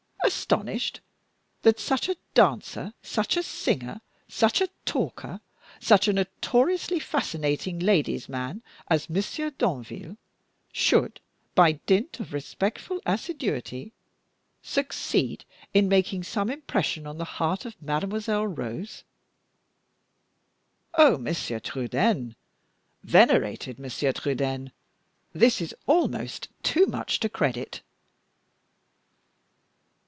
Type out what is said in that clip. Astonished that such a dancer, such a singer, such a talker, such a notoriously fascinating ladies' man as Monsieur Danville, should, by dint of respectful assiduity, succeed in making some impression on the heart of Mademoiselle Rose! Oh, Monsieur Trudaine, venerated Monsieur Trudaine, this is almost too much to credit!"